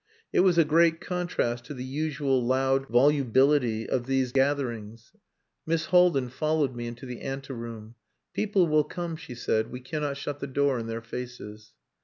It was a great contrast to the usual loud volubility of these gatherings. Miss Haldin followed me into the ante room. "People will come," she said. "We cannot shut the door in their faces."